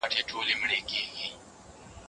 زده کوونکي په ویب کي نوي ډیزاینونه ګوري.